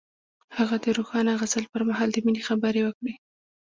هغه د روښانه غزل پر مهال د مینې خبرې وکړې.